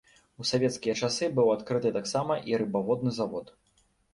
У савецкія часы быў адкрыты таксама і рыбаводны завод.